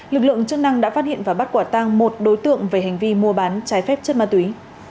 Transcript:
lực lượng chức năng đã phát hiện và bắt quả tăng một đối tượng về hành vi mua bán trái phép chất ma túy